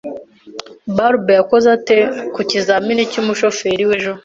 Barbara yakoze ate ku kizamini cy'umushoferi we ejo?